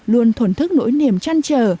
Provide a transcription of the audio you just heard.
luôn thuần thức nỗi niềm trăn trở